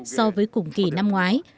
so với cùng kỳ năm ngoái